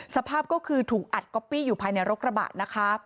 สภาพก็คือถูกอัดก๊อปปี้อยู่ภายในรถกระบะนะคะ